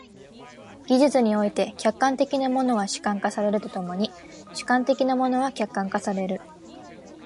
技術において、客観的なものは主観化されると共に主観的なものは客観化される。